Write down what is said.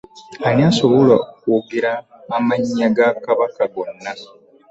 Ani asobola okwogera amanya ga kabaka gwona?